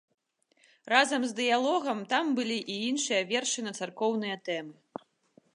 Разам з дыялогам там былі і іншыя вершы на царкоўныя тэмы.